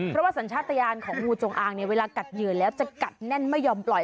เพราะว่าสัญชาติยานของงูจงอางเนี่ยเวลากัดเหยื่อแล้วจะกัดแน่นไม่ยอมปล่อย